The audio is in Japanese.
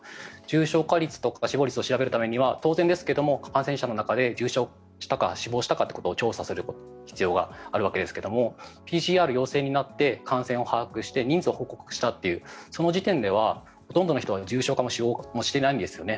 重症化率と死亡率を調べるには重症化したか死亡したかなどを調べる必要があるんですがＰＣＲ陽性になって感染を把握して人数を報告したというその時点ではほとんどの人が重症化も死亡もしていないんですよね。